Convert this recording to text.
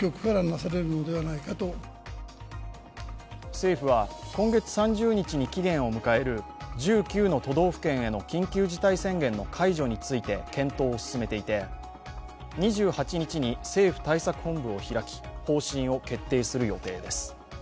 政府は今月３０日に期限を迎える１９の都道府県への緊急事態宣言の解除について検討を進めていて２８日に政府対策本部を開き、方針を決定する予定です。